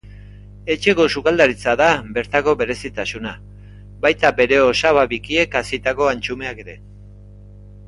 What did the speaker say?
Etxeko sukaldaritza da bertako berezitasuna, baita bere osaba bikiek hazitako antxumeak ere.